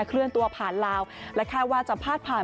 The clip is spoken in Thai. เคลื่อนตัวผ่านลาวและคาดว่าจะพาดผ่าน